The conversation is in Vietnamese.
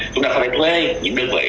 chúng ta phải thuê những đơn vị